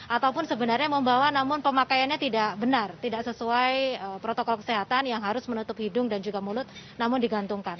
ataupun sebenarnya membawa namun pemakaiannya tidak benar tidak sesuai protokol kesehatan yang harus menutup hidung dan juga mulut namun digantungkan